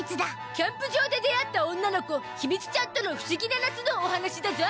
キャンプ場で出会った女の子ひみつちゃんとの不思議な夏のお話だゾ！